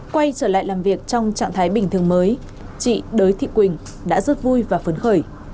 quay trở lại làm việc trong trạng thái bình thường mới chị đới thị quỳnh đã rất vui và phấn khởi